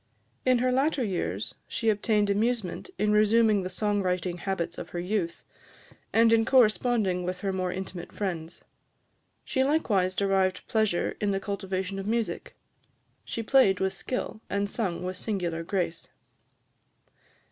In her latter years, she obtained amusement in resuming the song writing habits of her youth, and in corresponding with her more intimate friends. She likewise derived pleasure in the cultivation of music: she played with skill, and sung with singular grace.